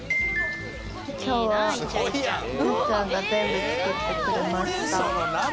今日はたっちゃんが全部作ってくれました。